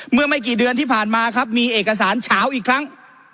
เมื่อไม่กี่เดือนที่ผ่านมาครับมีเอกสารเฉาอีกครั้ง